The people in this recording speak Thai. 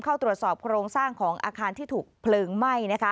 เข้าตรวจสอบโครงสร้างของอาคารที่ถูกเพลิงไหม้นะคะ